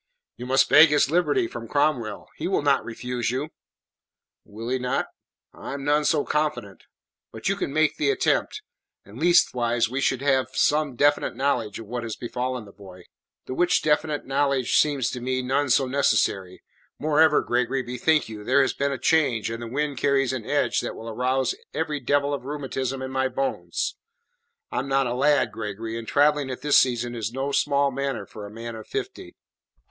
"You must beg his liberty from Cromwell. He will not refuse you." "Will he not? I am none so confident." "But you can make the attempt, and leastways we shall have some definite knowledge of what has befallen the boy." "The which definite knowledge seems to me none so necessary. Moreover, Gregory, bethink you; there has been a change, and the wind carries an edge that will arouse every devil of rheumatism in my bones. I am not a lad, Gregory, and travelling at this season is no small matter for a man of fifty."